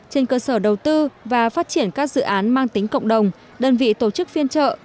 trên cơ sở đầu tư và phát triển các dự án mang tính cộng đồng đơn vị tổ chức phiên trợ